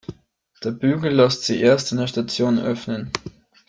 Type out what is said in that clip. Der Bügel lässt sich erst in der Station öffnen.